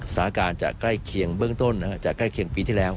สถานการณ์จะใกล้เคียงเบื้องต้นจากใกล้เคียงปีที่แล้ว